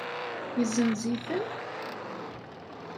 Yezenz-iten?